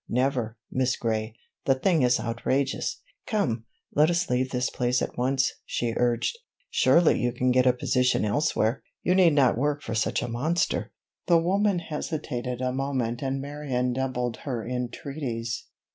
Never! Miss Gray, the thing is outrageous! Come! Let us leave this place at once," she urged. "Surely you can get a position elsewhere! You need not work for such a monster!" The woman hesitated a moment and Marion doubled her entreaties.